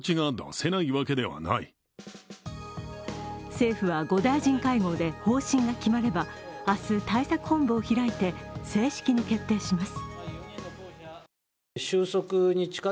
政府は５大臣会合で方針が決まれば明日、対策本部を開いて正式に決定します。